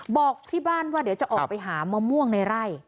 บอกที่บ้านว่าเดี๋ยวจะออกไปหามะม่วงในไร่